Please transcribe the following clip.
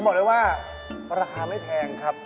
บอกเลยว่าราคาไม่แพงครับ